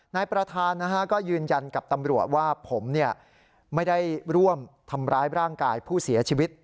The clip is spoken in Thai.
นายประธานก็ยืนยันกับตำรวจว่าผมไม่ได้ร่วมทำร้ายร่างกายผู้เสียชีวิต